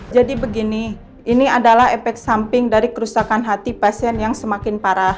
jadi begini ini adalah efek samping dari kerusakan hati pasien yang semakin parah